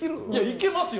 いけますよ。